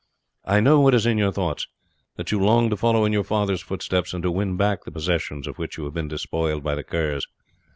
I know what is in your thoughts; that you long to follow in your father's footsteps, and to win back the possessions of which you have been despoiled by the Kerrs.